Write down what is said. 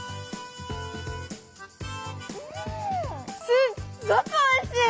すっごくおいしい！